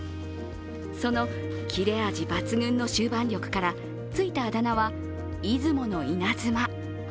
その切れ味抜群の終盤力からついたあだ名は、出雲のイナズマ。